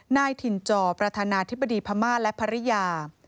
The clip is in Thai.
นายถิ่นจอประธานาธิบดีพม่าและภรรยา